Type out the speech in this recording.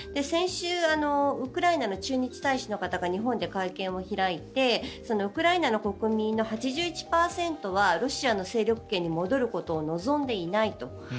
先週ウクライナの駐日大使の方が日本で会見を開いてウクライナの国民の８１％はロシアの勢力圏に戻ることを望んでいないと。